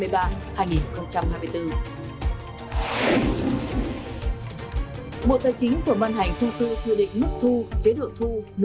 bộ tài chính vừa văn hành thư tư quy định mức thu chế độ thu